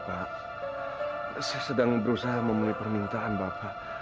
pak saya sedang berusaha memenuhi permintaan bapak